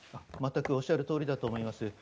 全くおっしゃるとおりだと思います。